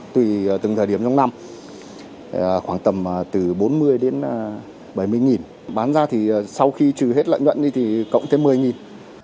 tùy từng thời điểm trong năm khoảng tầm từ bốn mươi đến bảy mươi nghìn bán ra sau khi trừ hết lợi nhuận thì cộng tới một mươi nghìn